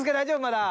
まだ。